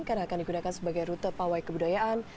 karena akan digunakan sebagai rute pawai kebudayaan